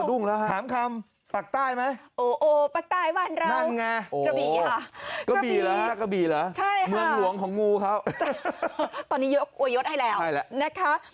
เดี๋ยวสดุ้งแล้วค่ะ